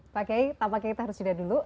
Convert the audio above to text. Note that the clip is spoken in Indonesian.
pak kai tampaknya kita harus sudah dulu